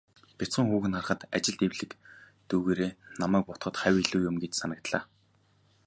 Бяцхан хүүг нь харахад, ажилд эвлэг дүйгээрээ намайг бодоход хавь илүү юм гэж санагдлаа.